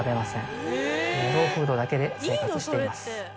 ローフードだけで生活しています。